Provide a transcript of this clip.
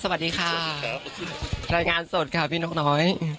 สวัสดีค่ะรายงานสดค่ะพี่นกน้อย